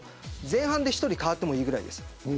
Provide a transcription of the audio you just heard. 前半で１人代わってもいいぐらいです。